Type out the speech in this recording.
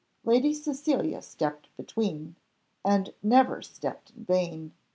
Lady Cecilia stepped between, and never stepped in vain.